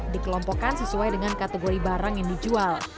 dikelompokkan sesuai dengan kategori barang yang dijual